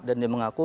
dan dia mengaku